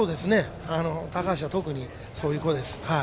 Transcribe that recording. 高橋は、特にそういう子です。